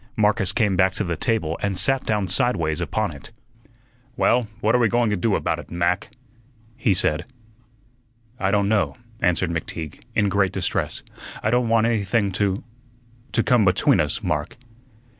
Marcus came back to the table and sat down sideways upon it. "Well, what are we going to do about it, Mac?" he said. "I don' know," answered McTeague, in great distress. "I don' want anything to to come between us, Mark."